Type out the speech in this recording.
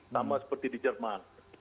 sama seperti di jerman